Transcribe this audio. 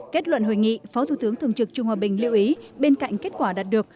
kết luận hội nghị phó thủ tướng thường trực trung hòa bình lưu ý bên cạnh kết quả đạt được